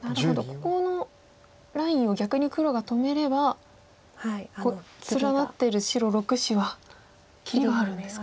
ここのラインを逆に黒が止めれば連なってる白６子は切りがあるんですか。